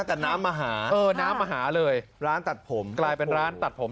แต่น้ำมาหาเออน้ำมาหาเลยร้านตัดผมกลายเป็นร้านตัดผม